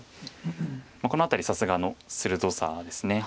この辺りさすがの鋭さです。